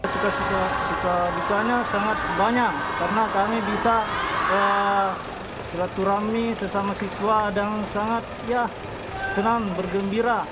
saya suka suka ditanya sangat banyak karena kami bisa selaturami sesama siswa dan sangat senang bergembira